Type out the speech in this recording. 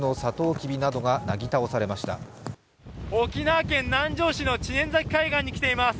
沖縄県南城市の知念岬海岸に来ています。